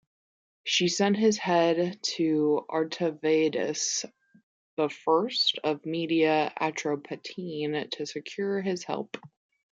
She sent his head to Artavasdes I of Media Atropatene to secure his help.